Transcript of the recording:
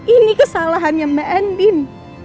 ini kesalahannya mbak andin